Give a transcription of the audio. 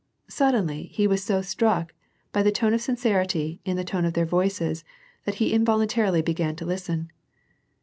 Suddenly he was so struck by the tona of sincerity iu the tone of their voices, that he involuntarily began to listen.